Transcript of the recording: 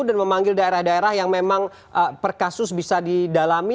dan memanggil daerah daerah yang memang per kasus bisa didalami